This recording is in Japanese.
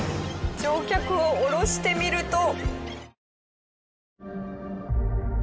乗客を降ろしてみると。